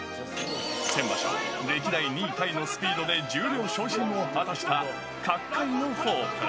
先場所、歴代２位タイのスピードで十両昇進を果たした、角界のホープ。